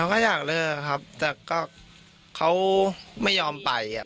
ครับเราก็อยากเลือกครับแต่ก็เขาไม่ยอมไปอ่ะ